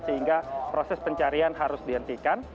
sehingga proses pencarian harus dihentikan